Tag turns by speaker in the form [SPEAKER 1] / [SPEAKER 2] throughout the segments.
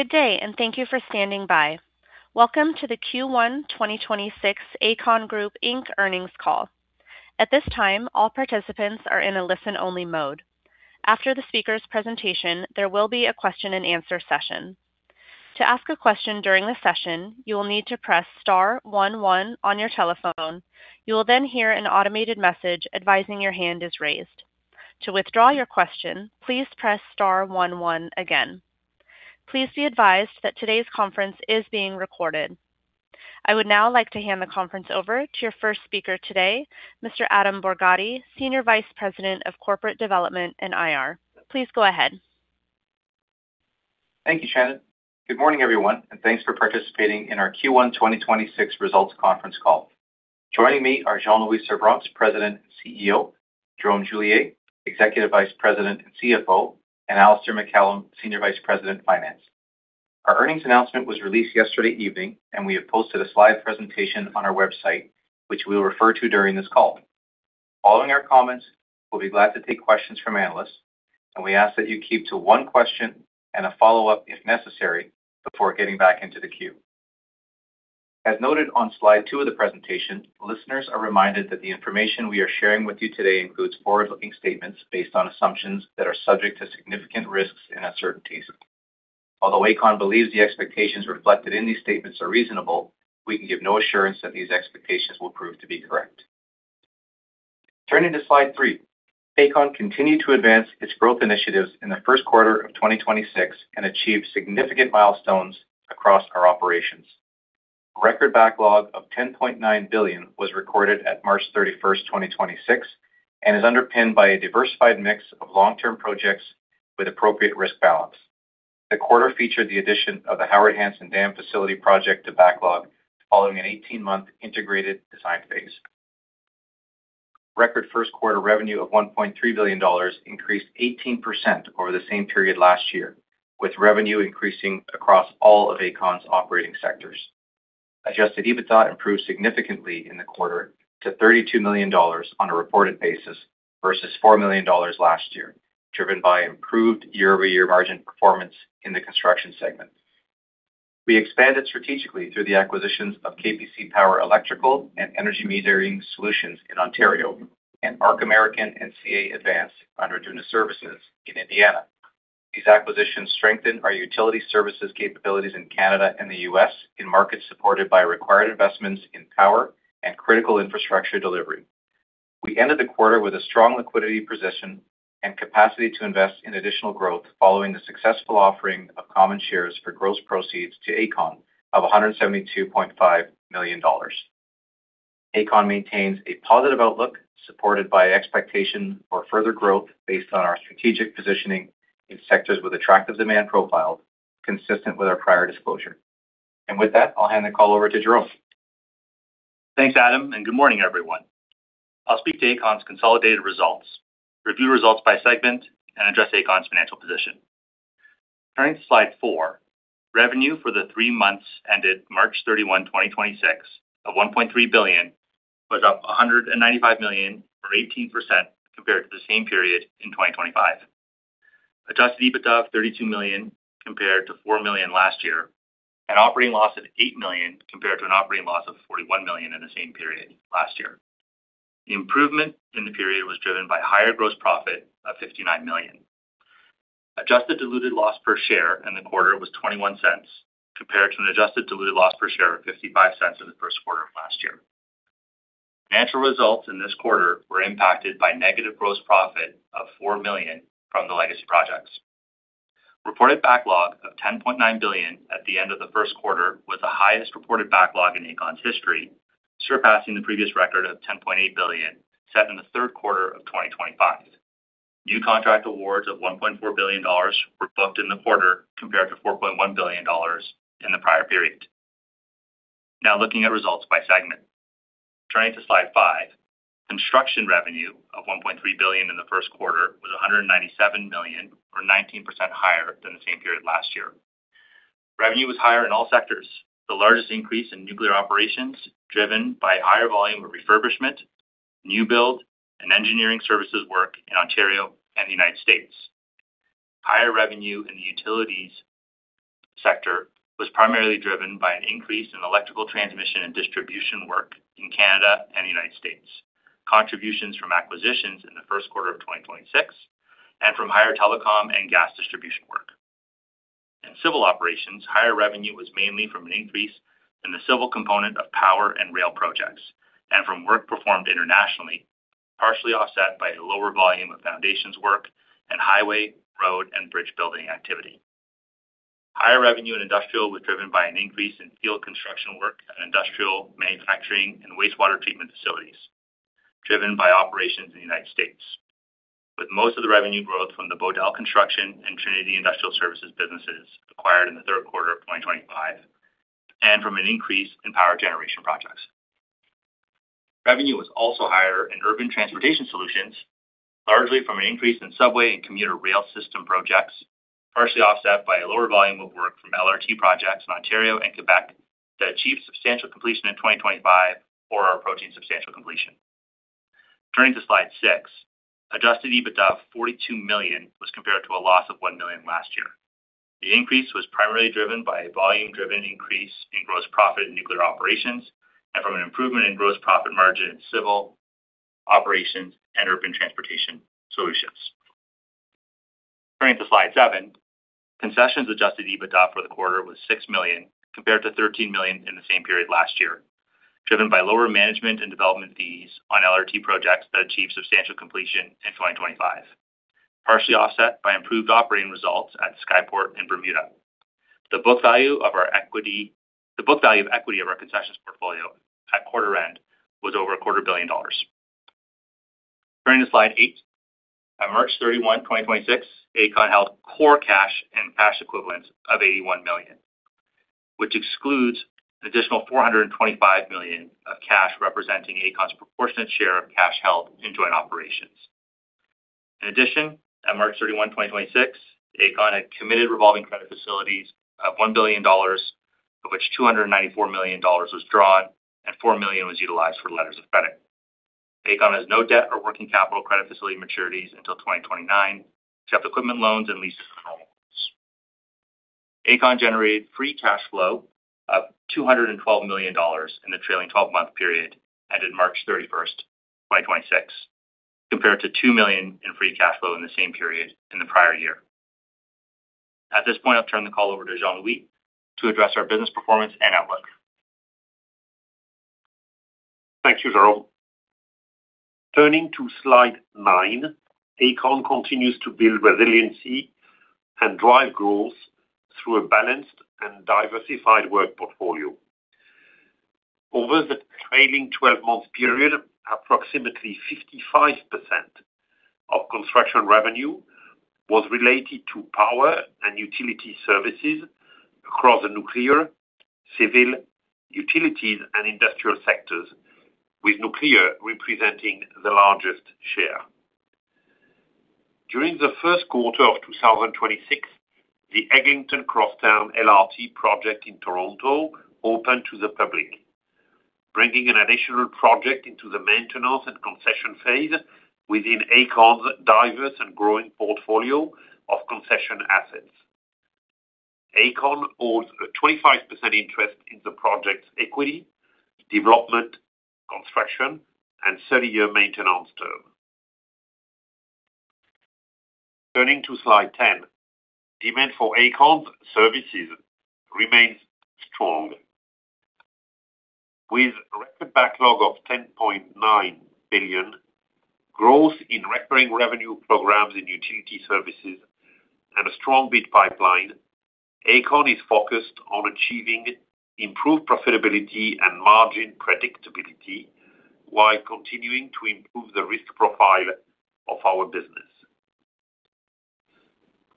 [SPEAKER 1] Good day and thank you for standing by. Welcome to the Q1 2026 Aecon Group Inc. Earnings Call. At this time all participants are in a listen only mode. After the speaker's presentation, there will be a question-and-answer session. To ask a question during the session, you will need to press star one one on your telephone. You will then hear an automated message advising your hand is raised. To withdraw your question, please press star one one again. Please be advised that today's conference is being recorded I would now like to hand the conference over to your first speaker today, Mr. Adam Borgatti, Senior Vice President of Corporate Development and IR. Please go ahead.
[SPEAKER 2] Thank you, Shannon. Good morning, everyone, and thanks for participating in our Q1 2026 results conference call. Joining me are Jean-Louis Servranckx, President and CEO, Jerome Julier, Executive Vice President and CFO, and Alistair MacCallum, Senior Vice President, Finance. Our earnings announcement was released yesterday evening, and we have posted a slide presentation on our website, which we will refer to during this call. Following our comments, we'll be glad to take questions from analysts, and we ask that you keep to one question and a follow-up if necessary, before getting back into the queue. As noted on slide two of the presentation, listeners are reminded that the information we are sharing with you today includes forward-looking statements based on assumptions that are subject to significant risks and uncertainties. Although Aecon believes the expectations reflected in these statements are reasonable, we can give no assurance that these expectations will prove to be correct. Turning to slide three, Aecon continued to advance its growth initiatives in the first quarter of 2026 and achieved significant milestones across our operations. A record backlog of 10.9 billion was recorded at March 31st, 2026, and is underpinned by a diversified mix of long-term projects with appropriate risk balance. The quarter featured the addition of the Howard Hanson Dam facility project to backlog following an 18-month integrated design phase. Record first quarter revenue of 1.3 billion dollars increased 18% over the same period last year, with revenue increasing across all of Aecon's operating sectors. Adjusted EBITDA improved significantly in the quarter to 32 million dollars on a reported basis versus 4 million dollars last year, driven by improved year-over-year margin performance in the Construction segment. We expanded strategically through the acquisitions of K.P.C. Power Electrical and Energy Metering Solutions in Ontario and Arc American and C.A. Advanced under Duna Services in Indiana. These acquisitions strengthen our utility services capabilities in Canada and the U.S. in markets supported by required investments in power and critical infrastructure delivery. We ended the quarter with a strong liquidity position and capacity to invest in additional growth following the successful offering of common shares for gross proceeds to Aecon of 172.5 million dollars. Aecon maintains a positive outlook supported by expectation for further growth based on our strategic positioning in sectors with attractive demand profiles consistent with our prior disclosure. With that, I'll hand the call over to Jerome.
[SPEAKER 3] Thanks, Adam, and good morning, everyone. I'll speak to Aecon's consolidated results, review results by segment, and address Aecon's financial position. Turning to slide four, revenue for the three months ended March 31, 2026, of CAD 1.3 billion was up CAD 195 million or 18% compared to the same period in 2025. Adjusted EBITDA of 32 million compared to 4 million last year. An operating loss of 8 million compared to an operating loss of 41 million in the same period last year. The improvement in the period was driven by higher gross profit of 59 million. Adjusted diluted loss per share in the quarter was 0.21 compared to an adjusted diluted loss per share of 0.55 in the first quarter of last year. Financial results in this quarter were impacted by negative gross profit of 4 million from the legacy projects. Reported backlog of 10.9 billion at the end of the first quarter was the highest reported backlog in Aecon's history, surpassing the previous record of 10.8 billion set in the third quarter of 2025. New contract awards of 1.4 billion dollars were booked in the quarter compared to 4.1 billion dollars in the prior period. Looking at results by segment. Turning to slide five. Construction revenue of 1.3 billion in the first quarter was 197 million or 19% higher than the same period last year. Revenue was higher in all sectors. The largest increase in nuclear operations driven by higher volume of refurbishment, new build, and engineering services work in Ontario and the United States. Higher revenue in the Utilities sector was primarily driven by an increase in electrical transmission and distribution work in Canada and the United States, and contributions from acquisitions in the first quarter of 2026 and from higher telecom and gas distribution work. In civil operations, higher revenue was mainly from an increase in the civil component of power and rail projects and from work performed internationally, partially offset by a lower volume of foundations work and highway, road, and bridge-building activity. Higher revenue in industrial was driven by an increase in field construction work and industrial manufacturing and wastewater treatment facilities driven by operations in the United States, with most of the revenue growth from the Bodell Construction and Trinity Industrial Services businesses acquired in the third quarter of 2025 and from an increase in power generation projects. Revenue was also higher in urban transportation solutions, largely from an increase in subway and commuter rail system projects, partially offset by a lower volume of work from LRT projects in Ontario and Quebec that achieved substantial completion in 2025 or are approaching substantial completion. Turning to slide six, Adjusted EBITDA of 42 million was compared to a loss of 1 million last year. The increase was primarily driven by a volume-driven increase in gross profit in nuclear operations and from an improvement in gross profit margin in civil operations and urban transportation solutions. Turning to slide seven, concessions Adjusted EBITDA for the quarter was 6 million compared to 13 million in the same period last year, driven by lower management and development fees on LRT projects that achieved substantial completion in 2025, partially offset by improved operating results at Skyport in Bermuda. The book value of equity of our concessions portfolio at quarter end was over 250 million dollars. Turning to slide eight. At March 31, 2026, Aecon held core cash and cash equivalents of 81 million, which excludes an additional 425 million of cash representing Aecon's proportionate share of cash held in joint operations. In addition, at March 31, 2026, Aecon had committed revolving credit facilities of 1 billion dollars, of which 294 million dollars was drawn and 4 million was utilized for letters of credit. Aecon has no debt or working capital credit facility maturities until 2029, except equipment loans and leases. Aecon generated free cash flow of 212 million dollars in the trailing 12-month period ended March 31st, 2026, compared to 2 million in free cash flow in the same period in the prior year. At this point, I'll turn the call over to Jean-Louis to address our business performance and outlook.
[SPEAKER 4] Thank you, Jerome. Turning to slide nine, Aecon continues to build resiliency and drive growth through a balanced and diversified work portfolio. Over the trailing 12 months period, approximately 55% of Construction revenue was related to Power and Utility Services across the Nuclear, Civil, Utilities, and Industrial sectors, with Nuclear representing the largest share. During the first quarter of 2026, the Eglinton Crosstown LRT project in Toronto opened to the public, bringing an additional project into the maintenance and concession phase within Aecon's diverse and growing portfolio of concession assets. Aecon holds a 25% interest in the project's equity, development, construction, and 30-year maintenance term. Turning to slide 10, demand for Aecon's services remains strong. With a record backlog of 10.9 billion, growth in recurring revenue programs in utility services, and a strong bid pipeline, Aecon is focused on achieving improved profitability and margin predictability while continuing to improve the risk profile of our business.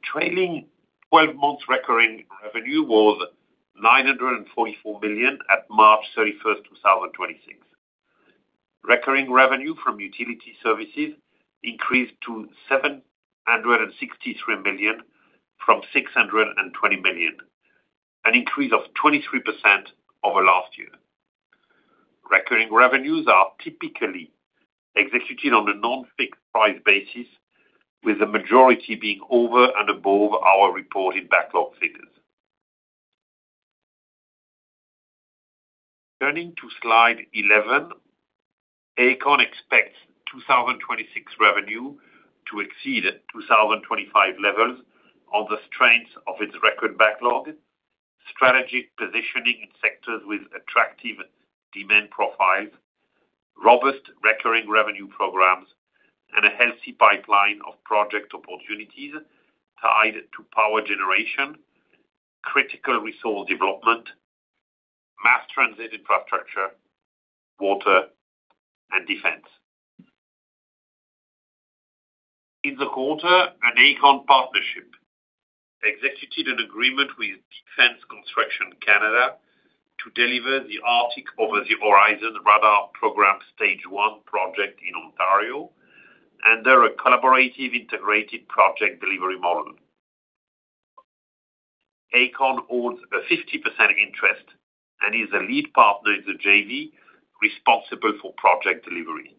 [SPEAKER 4] Trailing 12 months recurring revenue was 944 million at March 31, 2026. Recurring revenue from utility services increased to 763 million from 620 million, an increase of 23% over last year. Recurring revenues are typically executed on a non-fixed price basis, with the majority being over and above our reported backlog figures. Turning to slide 11, Aecon expects 2026 revenue to exceed 2025 levels on the strength of its record backlog, strategic positioning in sectors with attractive demand profiles, robust recurring revenue programs, and a healthy pipeline of project opportunities tied to Power Generation, Critical Resource Development, Mass Transit Infrastructure, Water, and Defence. In the quarter, an Aecon partnership executed an agreement with Defence Construction Canada to deliver the Arctic Over-the-Horizon Radar program stage one project in Ontario under a collaborative Integrated Project Delivery model. Aecon owns a 50% interest and is the lead partner in the JV responsible for project delivery.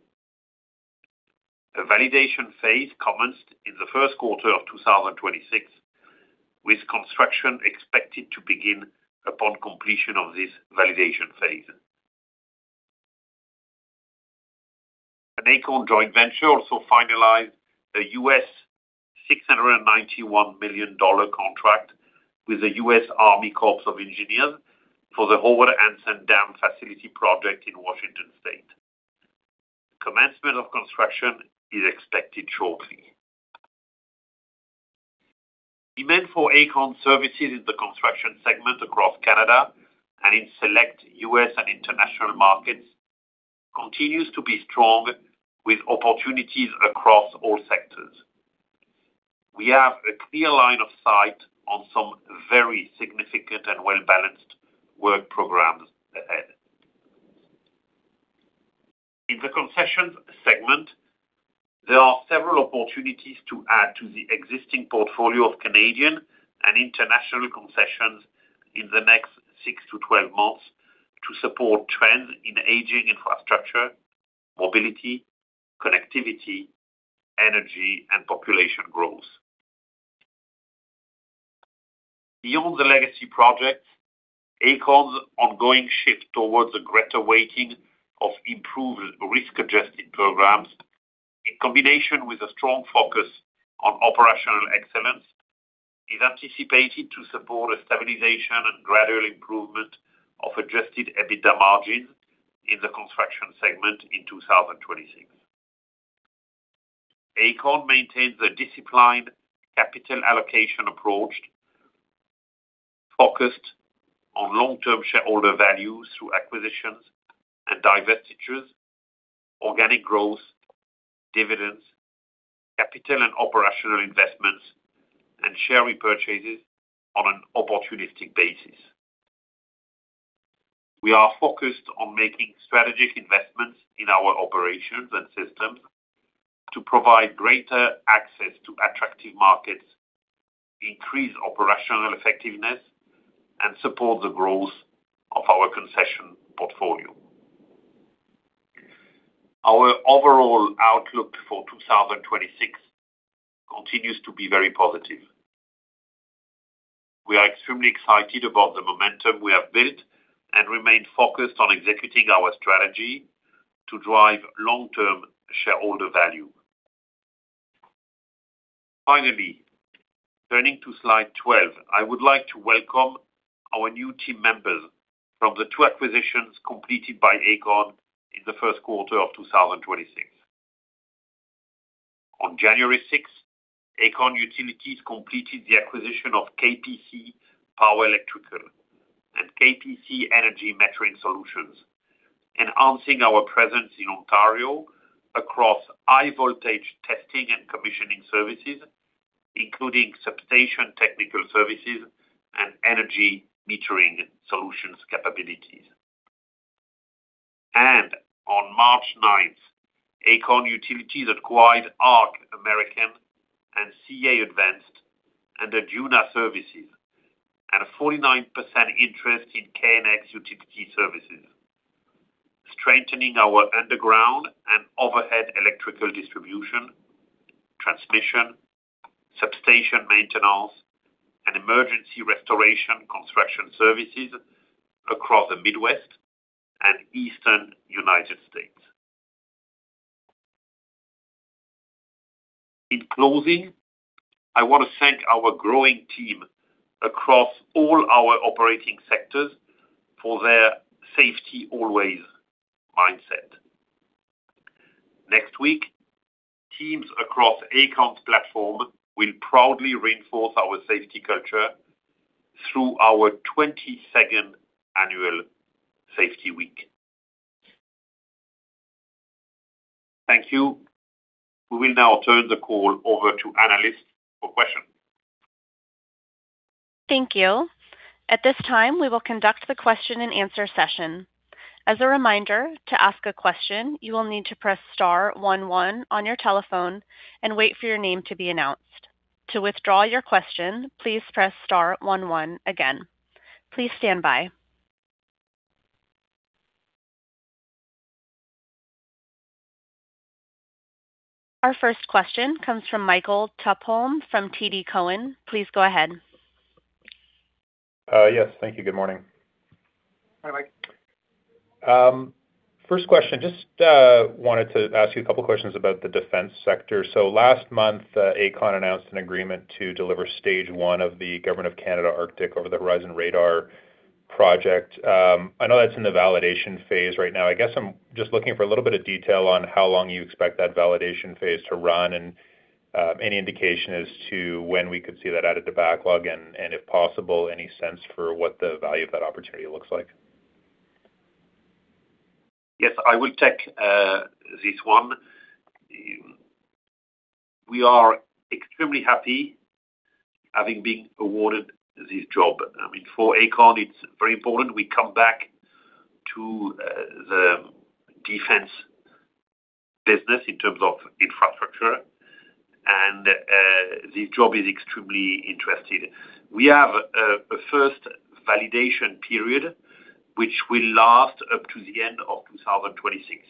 [SPEAKER 4] A validation phase commenced in the first quarter of 2026, with construction expected to begin upon completion of this validation phase. An Aecon joint venture also finalized a $691 million contract with the U.S. Army Corps of Engineers for the Howard Hanson Dam facility project in Washington State. Commencement of construction is expected shortly. Demand for Aecon services in the Construction segment across Canada and in select U.S. and international markets continues to be strong with opportunities across all sectors. We have a clear line of sight on some very significant and well-balanced work programs ahead. In the concessions segment, there are several opportunities to add to the existing portfolio of Canadian and international concessions in the next six to 12 months to support trends in aging infrastructure, mobility, connectivity, energy, and population growth. Beyond the legacy projects, Aecon's ongoing shift towards a greater weighting of improved risk-adjusted programs, in combination with a strong focus on operational excellence, is anticipated to support a stabilization and gradual improvement of Adjusted EBITDA margin in the Construction segment in 2026. Aecon maintains a disciplined capital allocation approach focused on long-term shareholder value through acquisitions and divestitures, organic growth, dividends, capital and operational investments, and share repurchases on an opportunistic basis. We are focused on making strategic investments in our operations and systems to provide greater access to attractive markets, increase operational effectiveness, and support the growth of our concession portfolio. Our overall outlook for 2026 continues to be very positive. We are extremely excited about the momentum we have built and remain focused on executing our strategy to drive long-term shareholder value. Finally, turning to slide 12, I would like to welcome our new team members from the two acquisitions completed by Aecon in the first quarter of 2026. On January 6, Aecon Utilities completed the acquisition of K.P.C. Power Electrical and K.P.C. Energy Metering Solutions, enhancing our presence in Ontario across high voltage testing and commissioning services, including Substation Technical Services and Energy Metering Solutions capabilities. On March 9, Aecon Utilities acquired ARC American and C.A. Advanced and Duna Services, and a 49% interest in KNX Utility Services, strengthening our underground and overhead electrical distribution, transmission, substation maintenance, and emergency restoration construction services across the Midwest and Eastern United States. In closing, I want to thank our growing team across all our operating sectors for their safety always mindset. Next week, teams across Aecon's platform will proudly reinforce our safety culture through our 22nd annual Safety Week. Thank you. We will now turn the call over to analysts for questions.
[SPEAKER 1] Thank you. At this time, we will conduct the question-and-answer session. As a reminder, to ask a question, you will need to press star one one on your telephone and wait for your name to be announced. To withdraw your question, please press star one one again. Please stand by. Our first question comes from Michael Tupholme from TD Cowen. Please go ahead.
[SPEAKER 5] Yes, thank you. Good morning.
[SPEAKER 4] Hi, Mike.
[SPEAKER 5] First question, wanted to ask you a couple of questions about the defense sector. Last month, Aecon announced an agreement to deliver stage one of the Government of Canada Arctic Over-the-Horizon Radar project. I know that's in the validation phase right now. I guess I'm just looking for a little bit of detail on how long you expect that validation phase to run and any indication as to when we could see that added to backlog and if possible, any sense for what the value of that opportunity looks like.
[SPEAKER 4] Yes, I will take this one. We are extremely happy having been awarded this job. I mean, for Aecon, it's very important we come back to the defense business in terms of infrastructure, and this job is extremely interesting. We have a first validation period which will last up to the end of 2026.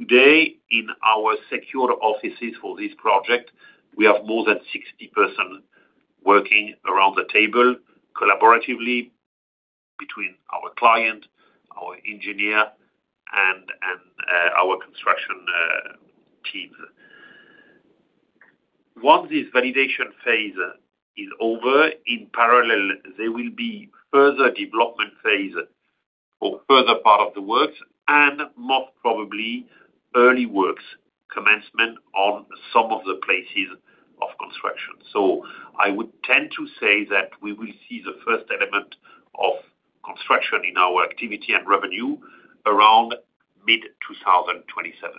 [SPEAKER 4] Today, in our secure offices for this project, we have more than 60 person working around the table collaboratively between our client, our engineer, and our construction team. Once this validation phase is over, in parallel, there will be further development phase for further part of the works and most probably early works commencement on some of the places of construction. I would tend to say that we will see the first element of construction in our activity and revenue around mid 2027.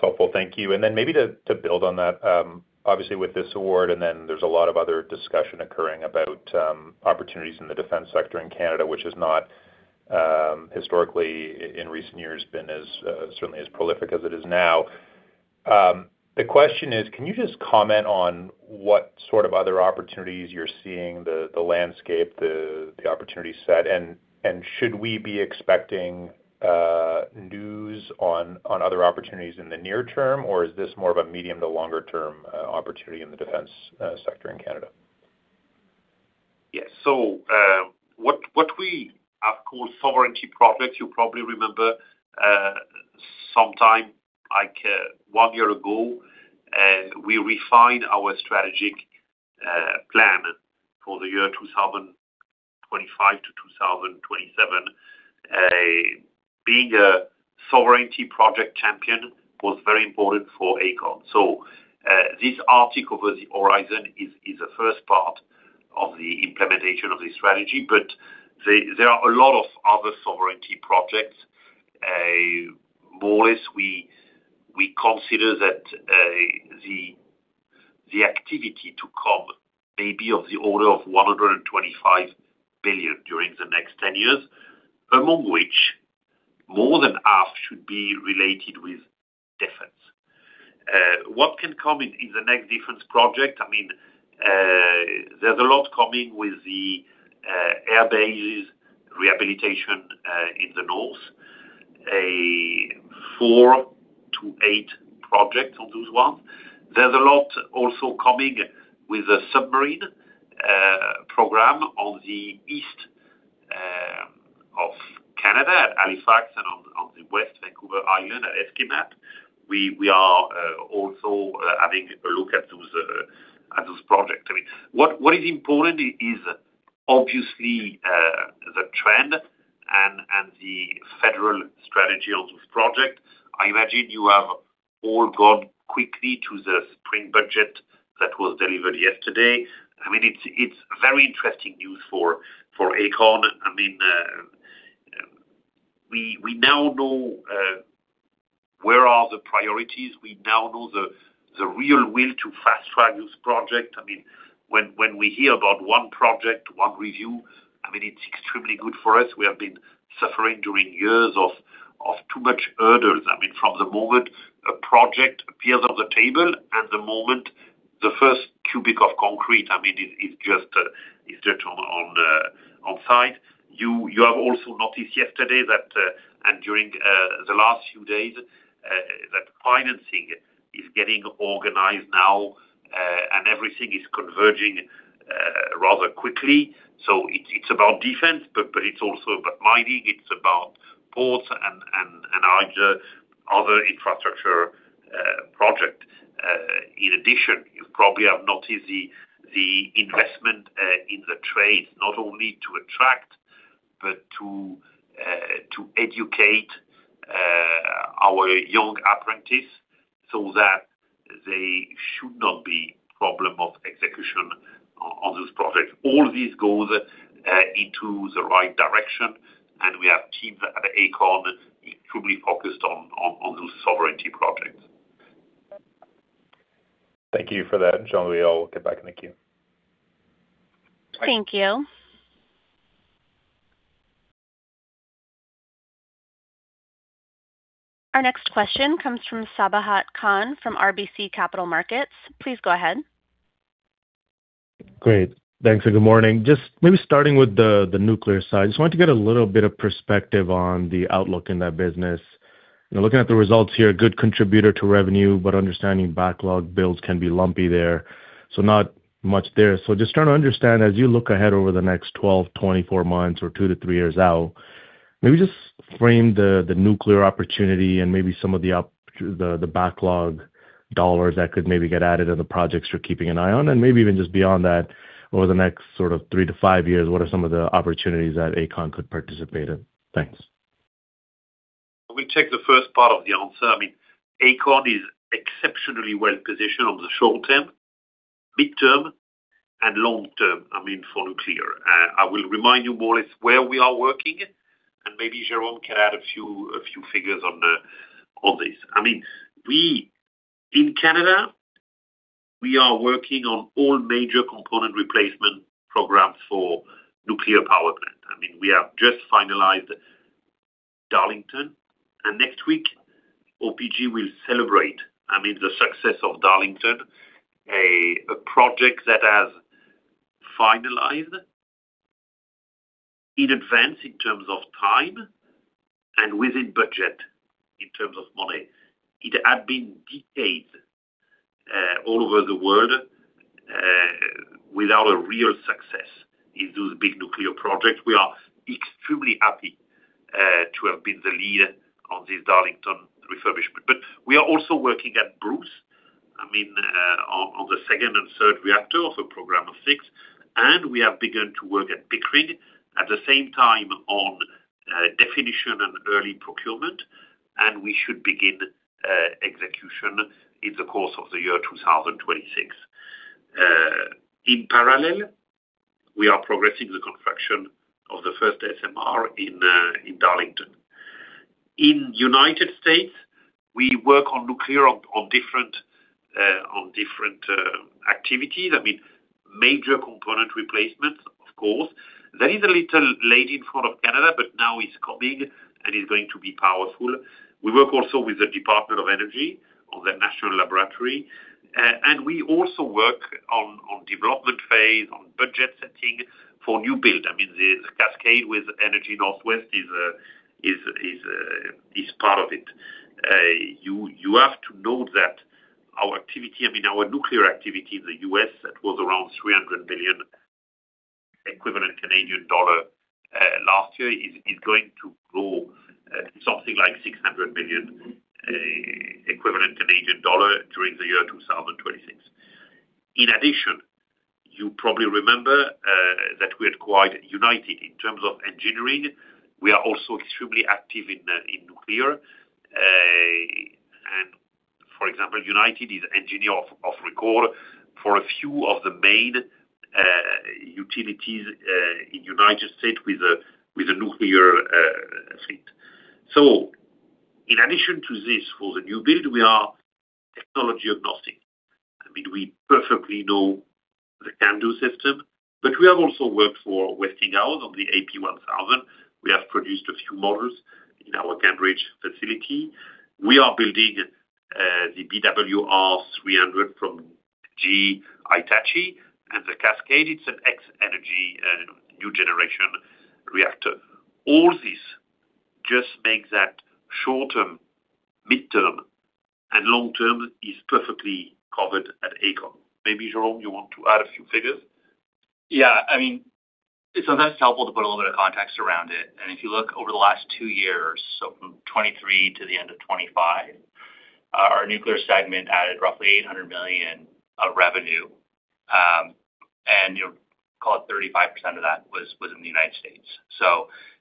[SPEAKER 5] Helpful. Thank you. Then maybe to build on that, obviously with this award, and then there's a lot of other discussion occurring about opportunities in the defense sector in Canada, which has not historically in recent years been as certainly as prolific as it is now. The question is, can you just comment on what sort of other opportunities you're seeing the landscape, the opportunity set? Should we be expecting news on other opportunities in the near term, or is this more of a medium to longer term opportunity in the defense sector in Canada?
[SPEAKER 4] Yes. What we have called sovereignty projects, you probably remember, sometime like one year ago, we refined our strategic plan for the year 2025 to 2027. Being a sovereignty project champion was very important for Aecon. This Arctic Over-the-Horizon is the first part of the implementation of the strategy. There are a lot of other sovereignty projects. We consider that the activity to come may be of the order of 125 billion during the next 10 years, among which more than half should be related with defense. What can come in the next defense project? I mean, there's a lot coming with the airbases rehabilitation in the North. Four to eight projects on those ones. There's a lot also coming with the submarine program on the east of Canada at Halifax and on the west Vancouver Island at Esquimalt. We are also having a look at those at those projects. I mean, what is important is obviously the trend and the federal strategy on this project. I imagine you have all gone quickly to the spring budget that was delivered yesterday. I mean, it's very interesting news for Aecon. I mean, we now know where are the priorities. We now know the real will to fast-track this project. I mean, when we hear about one project, one review, I mean, it's extremely good for us. We have been suffering during years of too much hurdles. I mean, from the moment a project appears on the table and the moment the first cubic of concrete, I mean, is just on site. You have also noticed yesterday that and during the last few days that financing is getting organized now and everything is converging rather quickly. It's about defense, but it's also about mining, it's about ports and other infrastructure project. In addition, you probably have noticed the investment in the trades, not only to attract, but to educate our young apprentices so that there should not be problem of execution on those projects. All this goes into the right direction, and we have teams at Aecon truly focused on those sovereignty projects.
[SPEAKER 5] Thank you for that, Jean-Louis. I'll get back in the queue.
[SPEAKER 1] Thank you. Our next question comes from Sabahat Khan from RBC Capital Markets. Please go ahead.
[SPEAKER 6] Great. Thanks. Good morning. Just maybe starting with the nuclear side. Just wanted to get a little bit of perspective on the outlook in that business. You know, looking at the results here, a good contributor to revenue, but understanding backlog builds can be lumpy there, so not much there. Just trying to understand, as you look ahead over the next 12, 24 months or two to three years out, maybe just frame the nuclear opportunity and maybe some of the backlog dollars that could maybe get added or the projects you're keeping an eye on. Maybe even just beyond that, over the next sort of three to five years, what are some of the opportunities that Aecon could participate in? Thanks.
[SPEAKER 4] I will take the first part of the answer. I mean, Aecon is exceptionally well-positioned on the short term, midterm, and long term, I mean, for nuclear. I will remind you more or less where we are working, and maybe Jerome can add a few figures on this. I mean, in Canada, we are working on all major component replacement programs for nuclear power plant. I mean, we have just finalized Darlington, and next week OPG will celebrate, I mean, the success of Darlington, a project that has finalized in advance in terms of time and within budget in terms of money. It had been decades all over the world without a real success in those big nuclear projects. We are extremely happy to have been the leader on this Darlington refurbishment. We are also working at Bruce, I mean, on the second and third reactor of a program of six, and we have begun to work at Pickering at the same time on definition and early procurement, and we should begin execution in the course of the year 2026. In parallel, we are progressing the construction of the first SMR in Darlington. In the U.S., we work on nuclear on different activities. I mean, major component replacements, of course. That is a little late in front of Canada, but now it's coming and is going to be powerful. We work also with the Department of Energy on the National Laboratory. We also work on development phase, on budget setting for new build. I mean, the Cascade with Energy Northwest is part of it. You have to know that our activity, I mean, our nuclear activity in the U.S. that was around 300 billion equivalent Canadian dollar last year is going to grow something like 600 billion equivalent Canadian dollar during the year 2026. In addition, you probably remember that we are quite united in terms of engineering. We are also extremely active in nuclear. For example, United is engineer of record for a few of the main utilities in the U.S. with a nuclear fleet. In addition to this, for the new build, we are technology agnostic. I mean, we perfectly know the CANDU system, but we have also worked for Westinghouse on the AP1000. We have produced a few models in our Cambridge facility. We are building the BWRX-300 from GE Hitachi and the Cascade. It's an X-energy new generation reactor. All this just makes that short term, midterm, and long term is perfectly covered at Aecon. Maybe, Jerome, you want to add a few figures?
[SPEAKER 3] Yeah. I mean, it's sometimes helpful to put a little bit of context around it. If you look over the last two years, so from 2023 to the end of 2025, our Nuclear segment added roughly 800 million of revenue. You know, call it 35% of that was in the United States.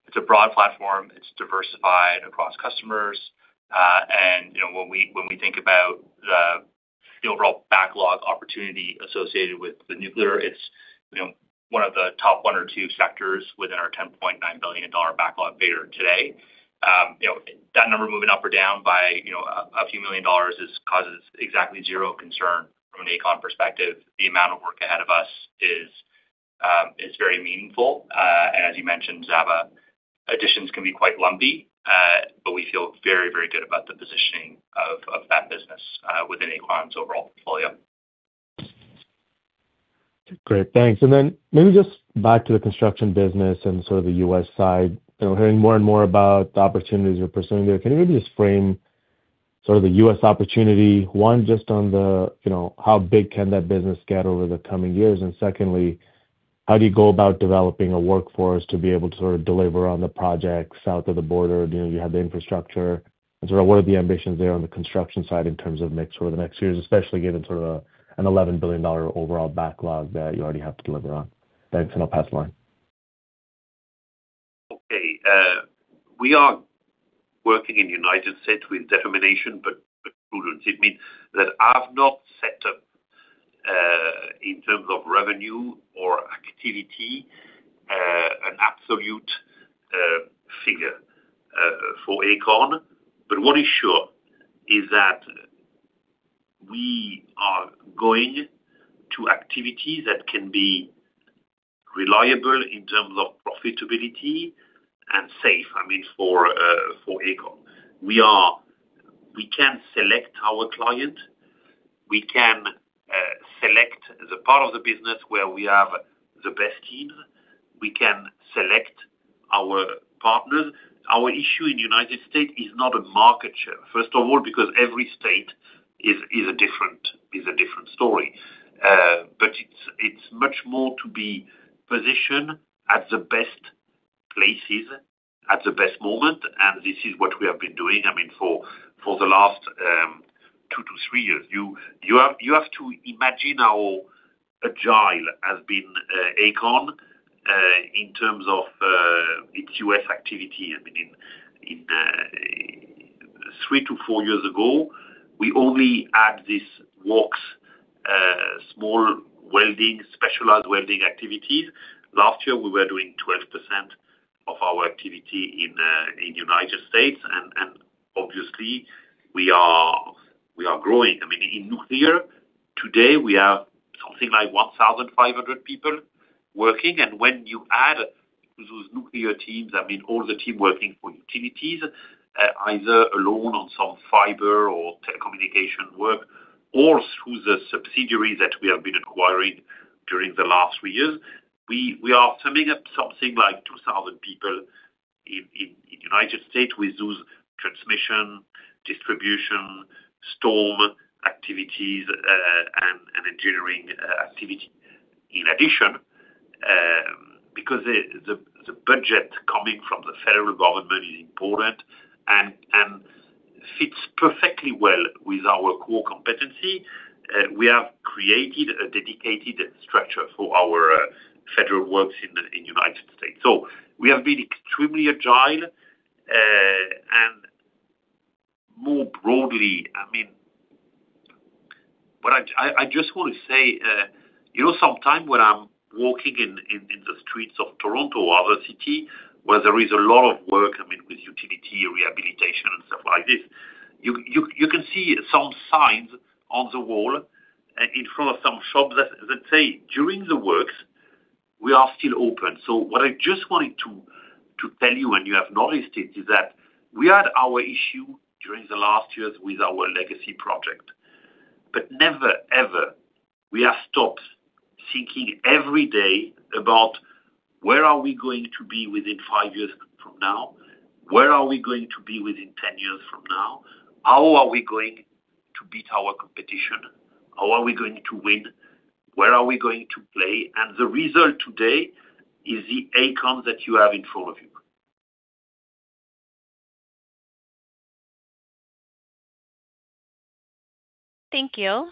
[SPEAKER 3] It's a broad platform. It's diversified across customers. You know, when we, when we think about the overall backlog opportunity associated with the nuclear, it's, you know, one of the top one or two sectors within our 10.9 billion dollar backlog bigger today. You know, that number moving up or down by, you know, a few million CAD dollars causes exactly zero concern from an Aecon perspective. The amount of work ahead of us is very meaningful. As you mentioned, Sabahat, additions can be quite lumpy, but we feel very, very good about the positioning of that business, within Aecon's overall portfolio.
[SPEAKER 6] Great. Thanks. Maybe just back to the Construction business and sort of the U.S. side. You know, hearing more and more about the opportunities you're pursuing there. Can you maybe just frame sort of the U.S. opportunity? One, just on the, you know, how big can that business get over the coming years? Secondly, how do you go about developing a workforce to be able to sort of deliver on the projects south of the border? Do you know you have the infrastructure? Sort of what are the ambitions there on the Construction side in terms of mix over the next years? Especially given sort of a 11 billion dollar overall backlog that you already have to deliver on. Thanks. I'll pass the line.
[SPEAKER 4] Okay. We are working in the U.S. with determination, but prudence. It means that I've not set up in terms of revenue or activity an absolute figure for Aecon. What is sure is that we are going to activities that can be reliable in terms of profitability and safe, I mean, for Aecon. We can select our client. We can select the part of the business where we have the best team. We can select our partners. Our issue in the U.S. is not a market share. First of all, because every state is a different story. It's much more to be positioned at the best places at the best moment, and this is what we have been doing, I mean, for the last two to three years. You have to imagine how agile has been Aecon in terms of its U.S. activity. I mean, in three to four years ago, we only had these walks, small welding, specialized welding activities. Last year, we were doing 12% of our activity in the U.S. Obviously we are growing. I mean, in nuclear today, we have something like 1,500 people working. When you add those nuclear teams, I mean, all the team working for utilities, either alone on some fiber or telecommunication work or through the subsidiaries that we have been acquiring during the last three years, we are summing up something like 2,000 people in the U.S. with those transmission, distribution, storm activities, and engineering activity. Because the budget coming from the federal government is important and fits perfectly well with our core competency, we have created a dedicated structure for our federal works in the U.S. We have been extremely agile. More broadly, I mean, what I just want to say, you know, sometime when I'm walking in the streets of Toronto or other city where there is a lot of work, I mean, with utility or rehabilitation and stuff like this, you can see some signs on the wall in front of some shops that say, "During the works, we are still open." What I just wanted to tell you, and you have noticed it, is that we had our issue during the last years with our legacy project. Never, ever, we have stopped thinking every day about where are we going to be within five years from now? Where are we going to be within 10 years from now? How are we going to beat our competition? How are we going to win? Where are we going to play? The result today is the Aecon that you have in front of you.
[SPEAKER 1] Thank you.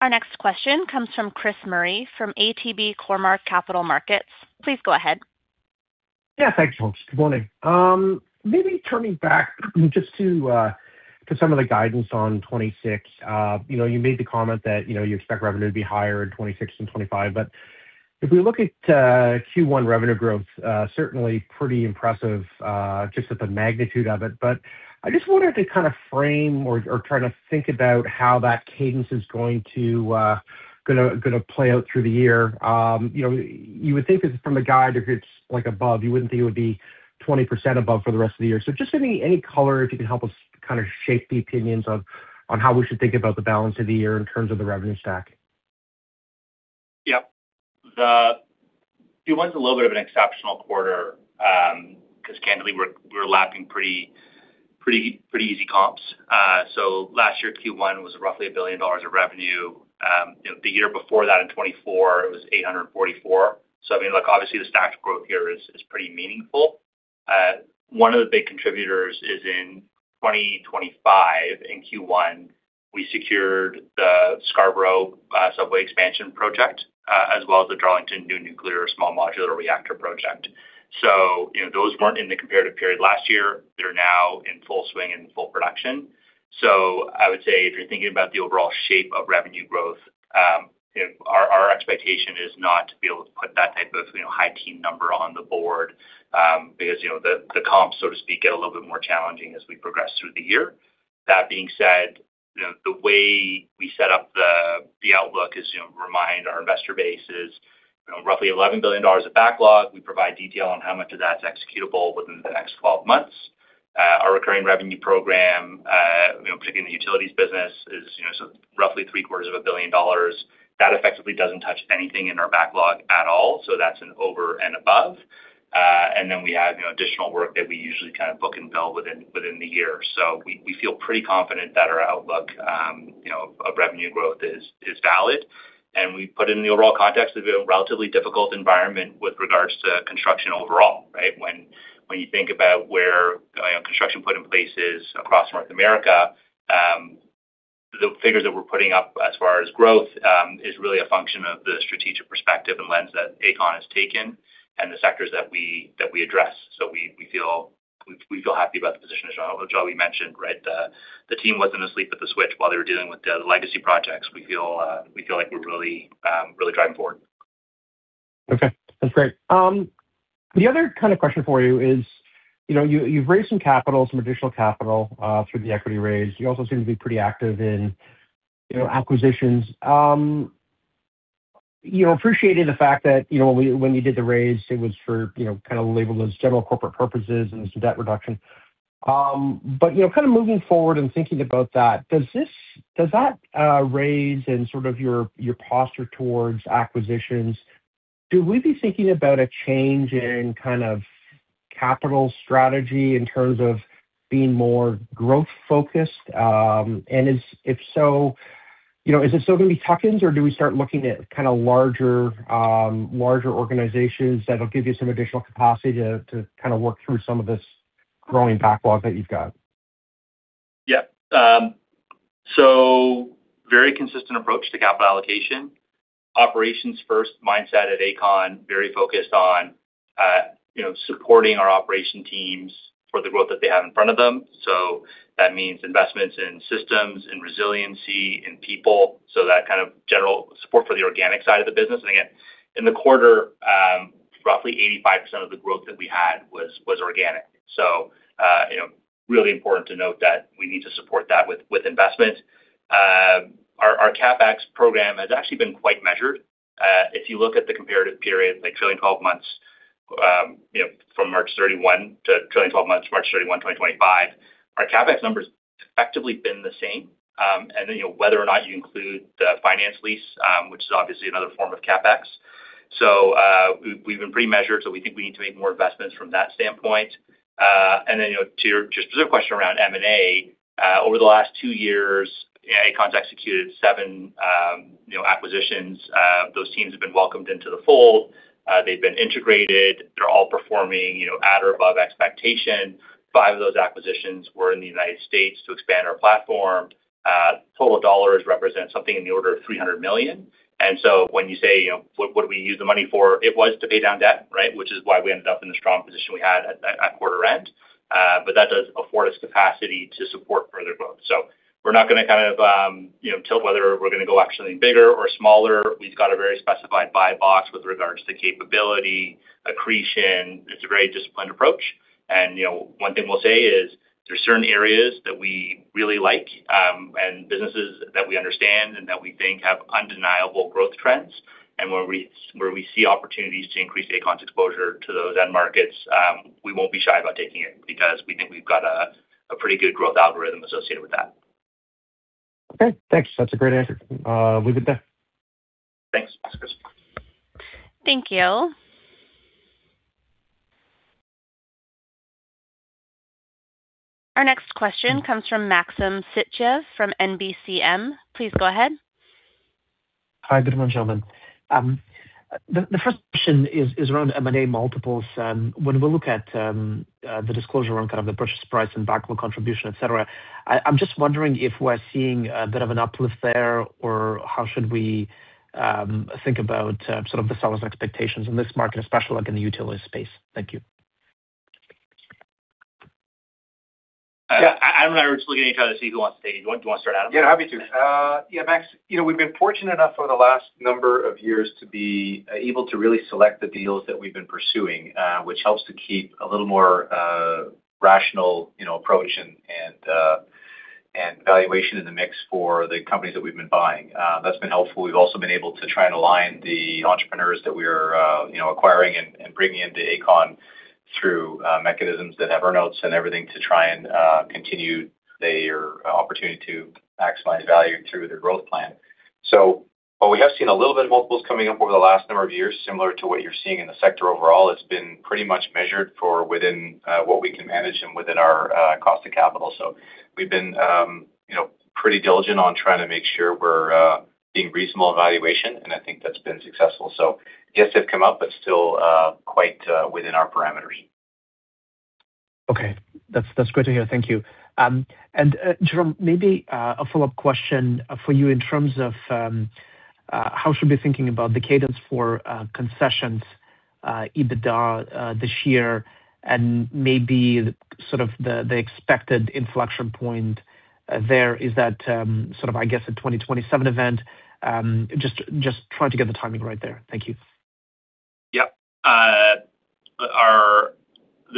[SPEAKER 1] Our next question comes from Chris Murray from ATB Cormark Capital Markets. Please go ahead.
[SPEAKER 7] Yeah, thanks, folks. Good morning. Maybe turning back just to some of the guidance on 2026. You know, you made the comment that, you know, you expect revenue to be higher in 2026 than 2025. If we look at Q1 revenue growth, certainly pretty impressive, just at the magnitude of it. I just wondered to kind of frame or try to think about how that cadence is going to gonna play out through the year. You know, you would think from the guide, if it's, like, above, you wouldn't think it would be 20% above for the rest of the year. Just any color, if you can help us kind of shape the opinions on how we should think about the balance of the year in terms of the revenue stack.
[SPEAKER 3] Yeah. Q1's a little bit of an exceptional quarter, 'cause candidly we're lapping pretty easy comps. Last year, Q1 was roughly 1 billion dollars of revenue. You know, the year before that in 2024, it was 844. I mean, look, obviously the stacked growth here is pretty meaningful. One of the big contributors is in 2025, in Q1, we secured the Scarborough Subway Expansion project, as well as the Darlington New Nuclear Project Small Modular Reactor Project. You know, those weren't in the comparative period last year. They're now in full swing and full production. I would say if you're thinking about the overall shape of revenue growth, you know, our expectation is not to be able to put that type of, you know, high-teen number on the board, because, you know, the comps, so to speak, get a little bit more challenging as we progress through the year. That being said, you know, the way we set up the outlook is, you know, remind our investor base is, you know, roughly 11 billion dollars of backlog. We provide detail on how much of that's executable within the next 12 months. Our recurring revenue program, you know, particularly in the Utilities business, is, you know, roughly 750 million dollars. That effectively doesn't touch anything in our backlog at all, so that's an over and above. Then we have, you know, additional work that we usually kind of book and bill within the year. We feel pretty confident that our outlook, you know, of revenue growth is valid. We put it in the overall context of a relatively difficult environment with regards to Construction overall, right? When you think about where, you know, Construction put in place is across North America, the figures that we're putting up as far as growth is really a function of the strategic perspective and lens that Aecon has taken and the sectors that we address. We feel happy about the position. As Jean-Louis mentioned, right, the team wasn't asleep at the switch while they were dealing with the legacy projects. We feel like we're really driving forward.
[SPEAKER 7] Okay, that's great. The other kind of question for you is, you know, you've raised some capital, some additional capital through the equity raise. You also seem to be pretty active in, you know, acquisitions. You know, appreciated the fact that, you know, when we, when you did the raise, it was for, you know, kind of labeled as general corporate purposes and some debt reduction. You know, kind of moving forward and thinking about that, does that raise in sort of your posture towards acquisitions, should we be thinking about a change in kind of capital strategy in terms of being more growth-focused? If so, you know, is it still gonna be tuck-ins or do we start looking at kind of larger organizations that'll give you some additional capacity to kinda work through some of this growing backlog that you've got?
[SPEAKER 3] Yeah. Very consistent approach to capital allocation. Operations first mindset at Aecon, very focused on, you know, supporting our operation teams for the growth that they have in front of them. That means investments in systems, in resiliency, in people. That kind of general support for the organic side of the business. Again, in the quarter, roughly 85% of the growth that we had was organic. You know, really important to note that we need to support that with investment. Our CapEx program has actually been quite measured. If you look at the comparative period, like trailing 12 months, you know, from March 31 to trailing 12 months, March 31, 2025, our CapEx number is effectively been the same. You know, whether or not you include the finance lease, which is obviously another form of CapEx. We've been pretty measured, we think we need to make more investments from that standpoint. You know, to your just specific question around M&A, over the last two years, Aecon's executed seven, you know, acquisitions. Those teams have been welcomed into the fold. They've been integrated. They're all performing, you know, at or above expectation. Five of those acquisitions were in the U.S. to expand our platform. Total dollars represent something in the order of 300 million. When you say, you know, what do we use the money for? It was to pay down debt, right? Which is why we ended up in the strong position we had at quarter end. That does afford us capacity to support further growth. We're not gonna kind of, you know, tilt whether we're gonna go actually bigger or smaller. We've got a very specified buy box with regards to capability, accretion. It's a very disciplined approach. You know, one thing we'll say is there are certain areas that we really like and businesses that we understand and that we think have undeniable growth trends. Where we, where we see opportunities to increase Aecon's exposure to those end markets, we won't be shy about taking it because we think we've got a pretty good growth algorithm associated with that.
[SPEAKER 7] Okay, thanks. That's a great answer. Leave it there.
[SPEAKER 3] Thanks.
[SPEAKER 1] Thank you. Our next question comes from Maxim Sytchev from NBCM. Please go ahead.
[SPEAKER 8] Hi, good morning, gentlemen. The first question is around M&A multiples. When we look at the disclosure around kind of the purchase price and backward contribution, et cetera, I'm just wondering if we're seeing a bit of an uplift there or how should we think about sort of the seller's expectations in this market, especially like in the utility space? Thank you.
[SPEAKER 3] Yeah, Adam and I were just looking at each other to see who wants to take it. Do you wanna start, Adam?
[SPEAKER 2] Yeah, happy to. Yeah, Max, you know, we've been fortunate enough over the last number of years to be able to really select the deals that we've been pursuing, which helps to keep a little more rational, you know, approach and valuation in the mix for the companies that we've been buying. That's been helpful. We've also been able to try and align the entrepreneurs that we're, you know, acquiring and bringing into Aecon through mechanisms that have earn-outs and everything to try and continue their opportunity to maximize value through their growth plan. While we have seen a little bit of multiples coming up over the last number of years, similar to what you're seeing in the sector overall, it's been pretty much measured for within what we can manage and within our cost of capital. We've been, you know, pretty diligent on trying to make sure we're being reasonable in valuation, and I think that's been successful. Yes, they've come up, but still, quite within our parameters.
[SPEAKER 8] Okay. That's, that's great to hear. Thank you. Jerome, maybe a follow-up question for you in terms of how should we be thinking about the cadence for concessions EBITDA this year and maybe sort of the expected inflection point there? Is that sort of, I guess, a 2027 event? Just trying to get the timing right there. Thank you.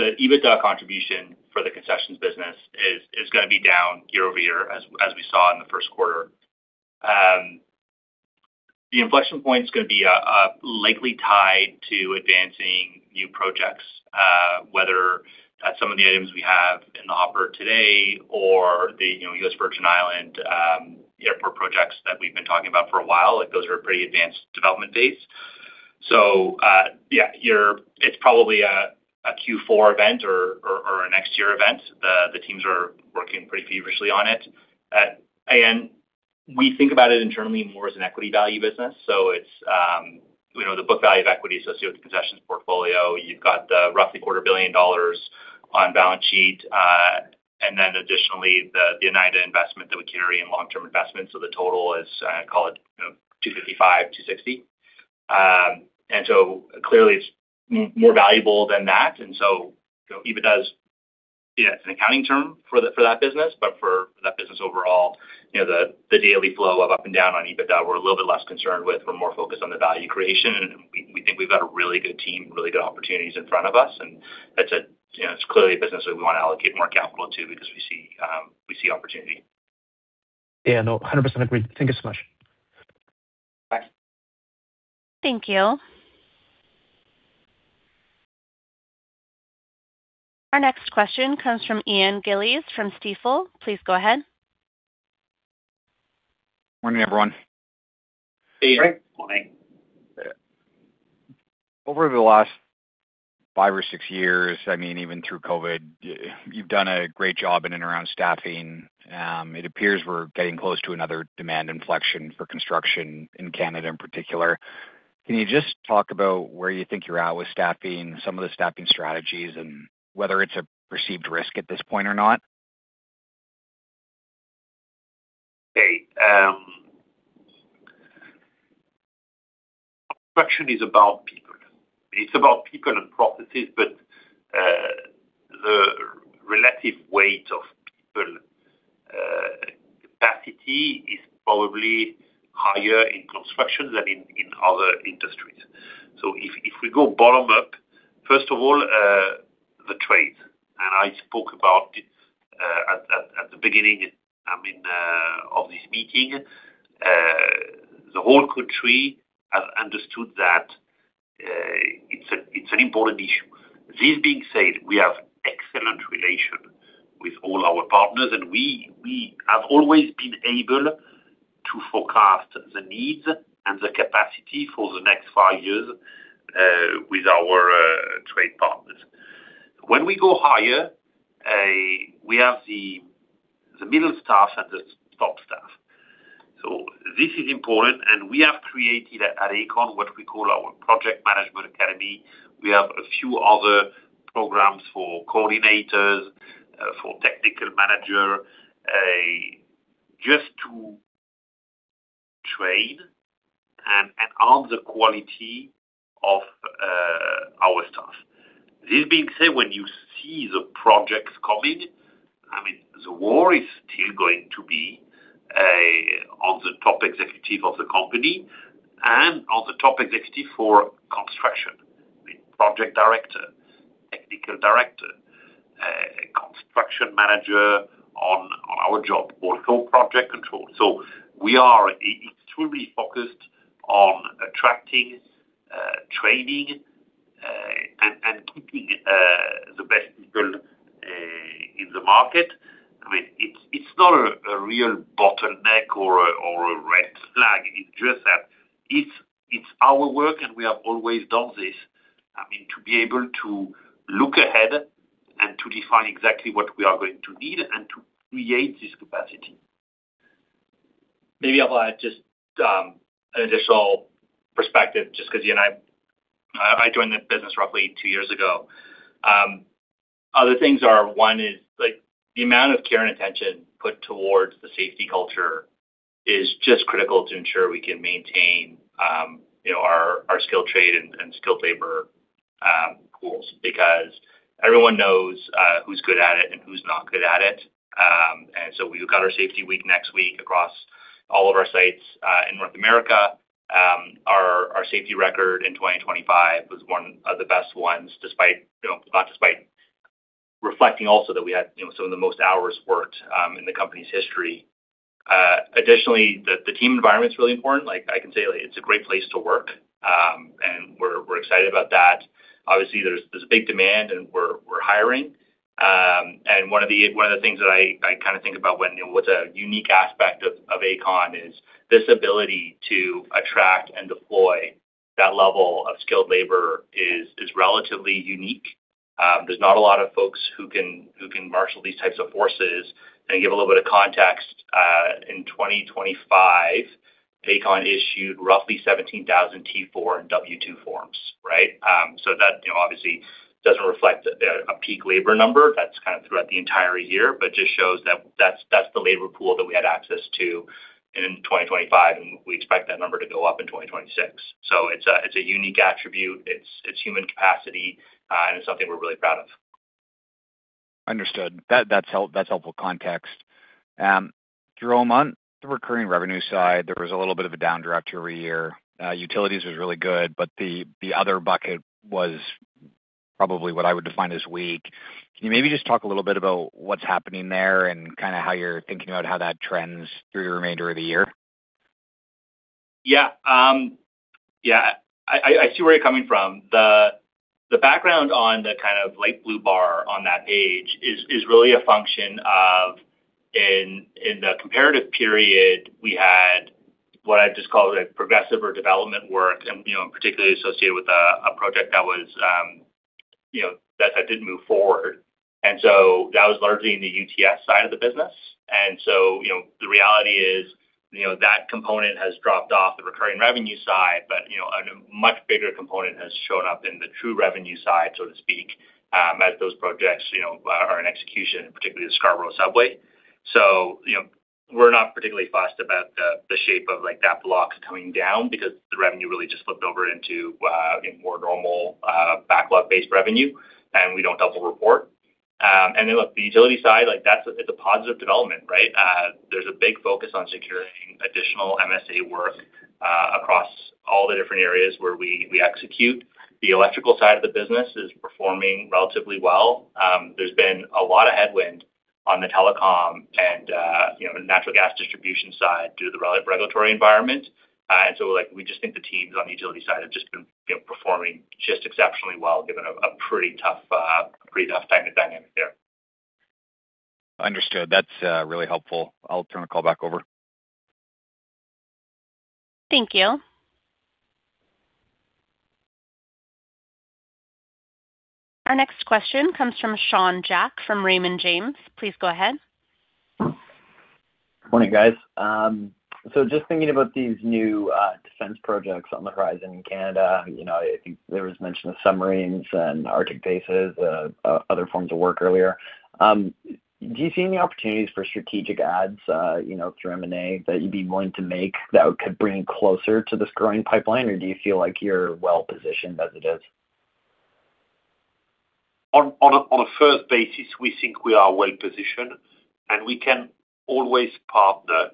[SPEAKER 3] The EBITDA contribution for the concessions business is gonna be down year-over-year as we saw in the first quarter. The inflection point's gonna be likely tied to advancing new projects, whether that's some of the items we have in the offer today or the, you know, U.S. Virgin Island airport projects that we've been talking about for a while. Like, those are pretty advanced development dates. It's probably a Q4 event or a next year event. The teams are working pretty feverishly on it. We think about it internally more as an equity value business. It's, you know, the book value of equity associated with the concessions portfolio. You've got roughly 250,000 dollars on balance sheet. Then additionally, the United investment that we carry in long-term investments. The total is, call it 255, 260. Clearly it's more valuable than that. EBITDA is, yeah, it's an accounting term for that business. For that business overall, the daily flow of up and down on EBITDA, we're a little bit less concerned with. We're more focused on the value creation. We think we've got a really good team, really good opportunities in front of us. It's clearly a business that we wanna allocate more capital to because we see opportunity.
[SPEAKER 8] Yeah, no, 100% agreed. Thank you so much.
[SPEAKER 3] Bye.
[SPEAKER 1] Thank you. Our next question comes from Ian Gillies from Stifel. Please go ahead.
[SPEAKER 9] Morning, everyone.
[SPEAKER 3] Hey.
[SPEAKER 2] Morning.
[SPEAKER 9] Over the last five or six years, I mean, even through COVID, you've done a great job in and around staffing. It appears we're getting close to another demand inflection for Construction in Canada in particular. Can you just talk about where you think you're at with staffing, some of the staffing strategies, and whether it's a perceived risk at this point or not?
[SPEAKER 4] Construction is about people. It's about people and processes, the relative weight of people capacity is probably higher in Construction than in other industries. If we go bottom up, first of all, the trades, and I spoke about it at the beginning, I mean, of this meeting. The whole country has understood that it's an important issue. This being said, we have excellent relation with all our partners, we have always been able to forecast the needs and the capacity for the next five years with our trade partners. We go higher, we have the middle staff and the top staff. This is important. We have created at Aecon what we call our Project Management Academy. We have a few other programs for coordinators, for technical manager, just to train and arm the quality of our staff. This being said, when you see the projects coming, I mean, the war is still going to be on the top executive of the company and on the top executive for construction, the project director, technical director, construction manager on our job, also project control. We are extremely focused on attracting, training, and keeping the best people in the market. I mean, it's not a real bottleneck or a red flag. It's just that it's our work. We have always done this, I mean, to be able to look ahead and to define exactly what we are going to need and to create this capacity.
[SPEAKER 3] Maybe I'll add just an additional perspective just 'cause, you know, I joined the business roughly two years ago. Other things are, one is like the amount of care and attention put towards the safety culture is just critical to ensure we can maintain, you know, our skill trade and skilled labor pools because everyone knows who's good at it and who's not good at it. We've got our safety week next week across all of our sites in North America. Our, our safety record in 2025 was one of the best ones, despite, you know, not despite reflecting also that we had, you know, some of the most hours worked in the company's history. Additionally, the team environment's really important. Like I can say it's a great place to work. We're excited about that. Obviously, there's a big demand, we're hiring. One of the things that I kind of think about when, you know, what's a unique aspect of Aecon is this ability to attract and deploy that level of skilled labor is relatively unique. There's not a lot of folks who can marshal these types of forces. To give a little bit of context, in 2025, Aecon issued roughly 17,000 T4 and W-2 forms, right? That, you know, obviously doesn't reflect a peak labor number. That's kind of throughout the entire year, just shows that that's the labor pool that we had access to in 2025, and we expect that number to go up in 2026. It's a, it's a unique attribute. It's, human capacity, and it's something we're really proud of.
[SPEAKER 9] Understood. That's helpful context. Jerome, on the recurring revenue side, there was a little bit of a downdraft year-over-year. Utilities was really good, but the other bucket was probably what I would define as weak. Can you maybe just talk a little bit about what's happening there and kind of how you're thinking about how that trends through the remainder of the year?
[SPEAKER 3] Yeah. Yeah, I see where you're coming from. The background on the kind of light blue bar on that page is really a function of in the comparative period, we had what I'd just call a progressive or development work and, you know, particularly associated with a project that was, you know, that did move forward. That was largely in the UTS side of the business. The reality is, you know, that component has dropped off the recurring revenue side, but, you know, a much bigger component has shown up in the true revenue side, so to speak, as those projects, you know, are in execution, particularly the Scarborough subway. You know, we're not particularly fussed about the shape of like that block coming down because the revenue really just flipped over into, you know, more normal, backlog-based revenue, and we don't double report. Look, the utility side, like that's a, it's a positive development, right? There's a big focus on securing additional MSA work across all the different areas where we execute. The electrical side of the business is performing relatively well. There's been a lot of headwind on the telecom and, you know, natural gas distribution side due to the re-regulatory environment. Like we just think the teams on the utility side have just been, you know, performing just exceptionally well, given a pretty tough, a pretty tough time dynamic there.
[SPEAKER 9] Understood. That's really helpful. I'll turn the call back over.
[SPEAKER 1] Thank you. Our next question comes from Sean Jack from Raymond James. Please go ahead.
[SPEAKER 10] Morning, guys. Just thinking about these new defense projects on the horizon in Canada, you know, there was mention of submarines and Arctic bases, other forms of work earlier. Do you see any opportunities for strategic adds, you know, through M&A that you'd be willing to make that could bring you closer to this growing pipeline? Or do you feel like you're well-positioned as it is?
[SPEAKER 4] On a first basis, we think we are well-positioned. We can always partner,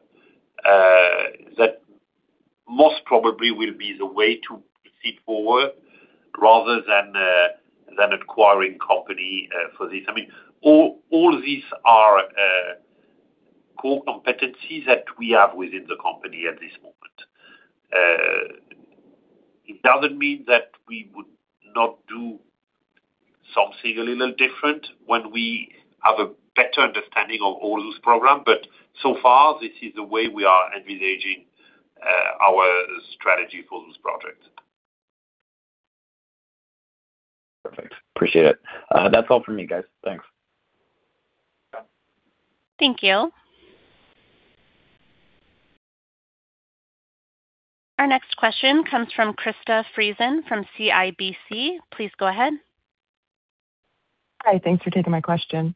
[SPEAKER 4] that most probably will be the way to proceed forward rather than acquiring company for this. I mean, all these are core competencies that we have within the company at this moment. It doesn't mean that we would not do something a little different when we have a better understanding of all those program, but so far, this is the way we are envisaging our strategy for those projects.
[SPEAKER 10] Appreciate it. That's all for me, guys. Thanks.
[SPEAKER 1] Thank you. Our next question comes from Krista Friesen from CIBC. Please go ahead.
[SPEAKER 11] Hi. Thanks for taking my question.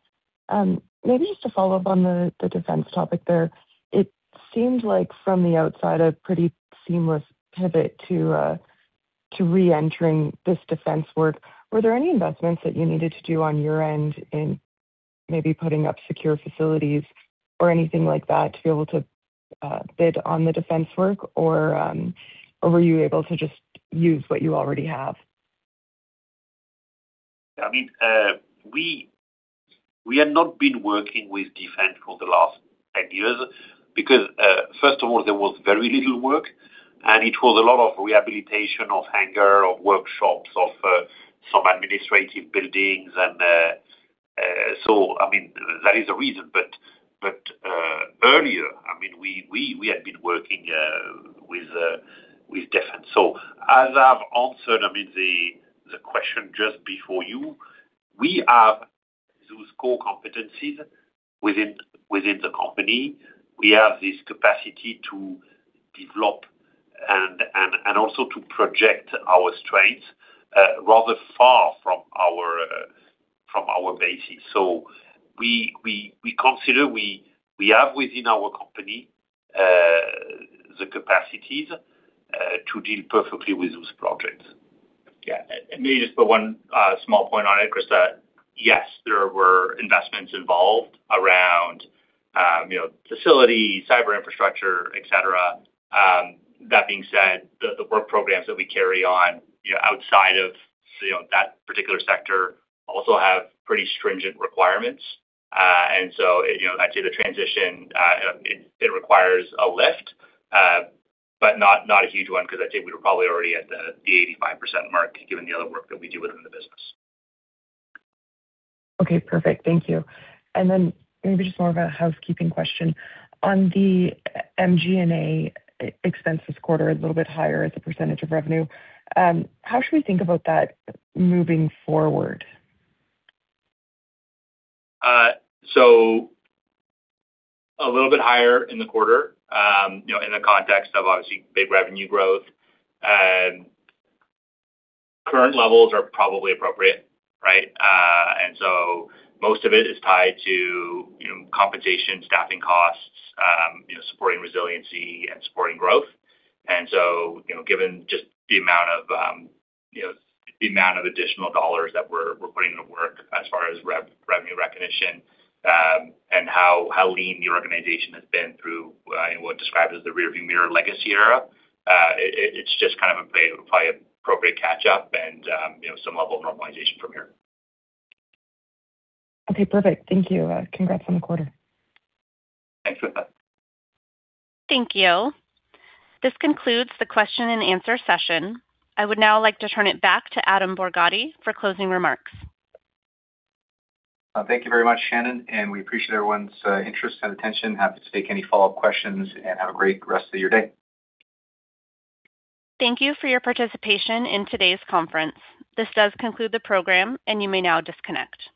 [SPEAKER 11] Maybe just to follow up on the defense topic there. It seems like from the outside, a pretty seamless pivot to reentering this defense work. Were there any investments that you needed to do on your end in maybe putting up secure facilities or anything like that to be able to bid on the defense work or were you able to just use what you already have?
[SPEAKER 4] I mean, we had not been working with defense for the last 10 years because, first of all, there was very little work, and it was a lot of rehabilitation of hangar, of workshops, of some administrative buildings. I mean, that is a reason. Earlier, I mean, we had been working with defense. As I've answered, I mean, the question just before you, we have those core competencies within the company. We have this capacity to develop and also to project our strengths rather far from our bases. We consider we have within our company the capacities to deal perfectly with those projects.
[SPEAKER 3] Yeah. Maybe just put one small point on it, Krista. Yes, there were investments involved around, you know, facility, cyber infrastructure, et cetera. That being said, the work programs that we carry on, you know, outside of, you know, that particular sector also have pretty stringent requirements. You know, I'd say the transition, it requires a lift, but not a huge one 'cause I'd say we were probably already at the 85% mark given the other work that we do within the business.
[SPEAKER 11] Okay. Perfect. Thank you. Maybe just more of a housekeeping question. On the MG&A expense this quarter, a little bit higher as a percentage of revenue, how should we think about that moving forward?
[SPEAKER 3] A little bit higher in the quarter. You know, in the context of obviously big revenue growth. Current levels are probably appropriate, right. Most of it is tied to, you know, compensation, staffing costs, you know, supporting resiliency and supporting growth. You know, given just the amount of, you know, the amount of additional dollars that we're putting to work as far as revenue recognition, and how lean the organization has been through what described as the rearview mirror legacy era, it's just kind of a play, probably appropriate catch up and, you know, some level of normalization from here.
[SPEAKER 11] Okay. Perfect. Thank you. Congrats on the quarter.
[SPEAKER 3] Thanks for that.
[SPEAKER 1] Thank you. This concludes the question-and-answer session. I would now like to turn it back to Adam Borgatti for closing remarks.
[SPEAKER 2] Thank you very much, Shannon, and we appreciate everyone's interest and attention. Happy to take any follow-up questions and have a great rest of your day.
[SPEAKER 1] Thank you for your participation in today's conference. This does conclude the program. You may now disconnect.